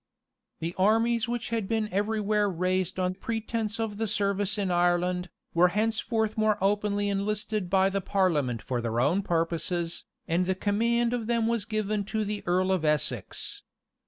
[*] The armies which had been everywhere raised on pretence of the service in Ireland, were henceforth more openly enlisted by the parliament for their own purposes, and the command of them was given to the earl of Essex.